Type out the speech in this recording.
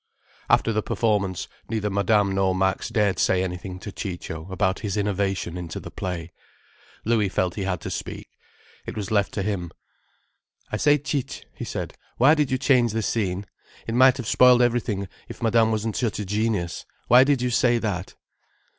After the performance, neither Madame nor Max dared say anything to Ciccio about his innovation into the play. Louis felt he had to speak—it was left to him. "I say, Cic'—" he said, "why did you change the scene? It might have spoiled everything if Madame wasn't such a genius. Why did you say that?"